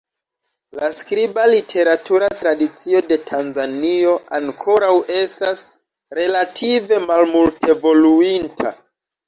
La skriba literatura tradicio de Tanzanio ankoraŭ estas relative malmultevoluinta.